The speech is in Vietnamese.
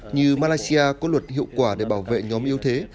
như malaysia có luật hiệu quả để bảo vệ nhóm yếu thế